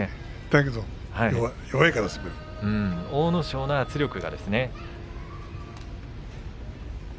阿武咲の圧力がね。